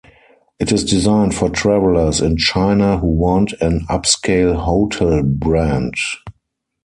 It is designed for travellers in China who want an upscale hotel brand.